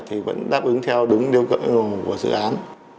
thì vẫn đáp ứng theo đúng điều kiện của dự án